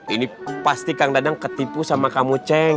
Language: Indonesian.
ini pasti kang dadang ketipu sama kamu ceng